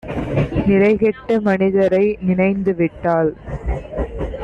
நிலைகெட்ட மனிதரை நினைந்துவிட்டால்